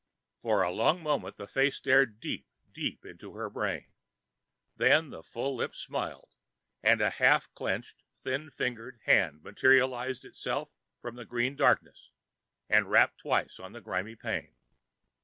For a long moment the face stared deep, deep into her brain. Then the full lips smiled and a half clenched, thin fingered hand materialized itself from the green darkness and rapped twice on the grimy pane.